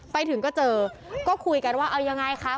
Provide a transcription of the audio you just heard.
ไปถึงก็เจอก็คุยกันว่าเอายังไงคะ